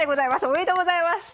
おめでとうございます。